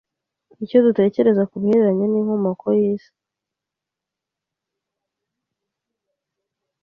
’icyo dutekereza ku bihereranye n’inkomoko y’isi,